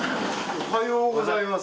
おはようございます。